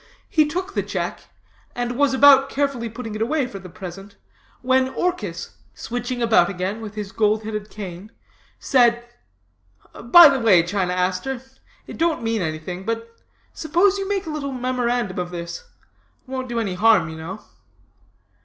He took the check, and was about carefully putting it away for the present, when Orchis, switching about again with his gold headed cane, said: 'By the way, China Aster, it don't mean anything, but suppose you make a little memorandum of this; won't do any harm, you know.'